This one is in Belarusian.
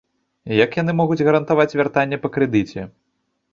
Як яны могуць гарантаваць вяртанне па крэдыце?